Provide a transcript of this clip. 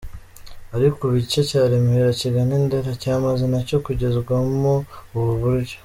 Ariko ubu igice cya Remera kigana i Ndera cyamaze nacyo kugezwamo ubu buryo.